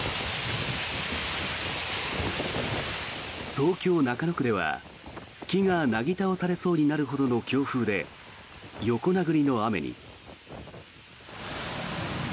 東京・中野区では木がなぎ倒されそうになるほどの強風で横殴りの雨に。